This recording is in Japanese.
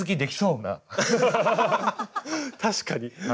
確かに。